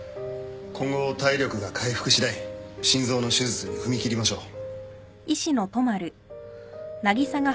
今後体力が回復次第心臓の手術に踏み切りましょう。